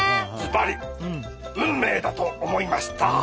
ズバリ「運命」だと思いました！